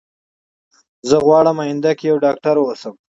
زه غواړم اينده کي يوه ډاکتره اوسم